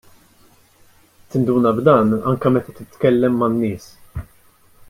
Tinduna b'dan anke meta titkellem man-nies.